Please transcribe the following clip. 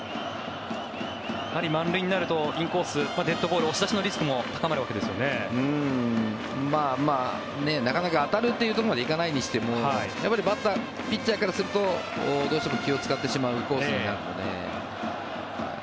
満塁になるとインコースデッドボール押し出しのリスクもなかなか当たるってところまでいかないにしてもやっぱりピッチャーからするとどうしても気を使ってしまうコースになるので。